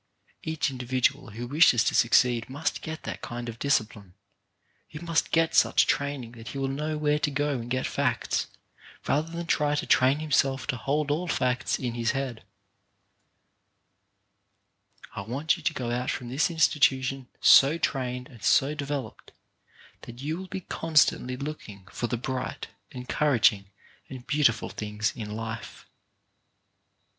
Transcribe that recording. Each individual who wishes to succeed must get that kind of discipline. He must get such training that he will know where to go and get facts, rather than try to train himself to hold all facts in his head. TWO SIDES OF LIFE 7 I want you to go out from this institution so trained and so developed that you will be con stantly looking for the bright, encouraging and beautiful things in life.